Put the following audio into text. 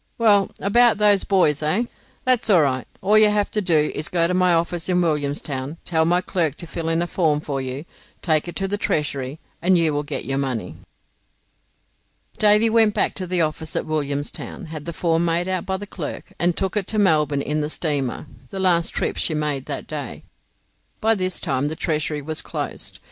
Well, about those buoys, eh? That's all right. All you have to do is go to my office in Williamstown, tell my clerk to fill in a form for you, take it to the Treasury, and you will get your money." Davy went back to the office at Williamstown, had the form made out by the clerk, and took it to Melbourne in the steamer, the last trip she made that day. By this time the Treasury was closed.